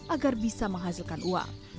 agar bisa menghasilkan uang